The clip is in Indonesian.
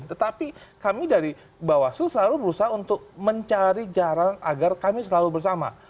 tetapi kami dari bawaslu selalu berusaha untuk mencari jalan agar kami selalu bersama